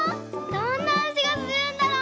どんなあじがするんだろう？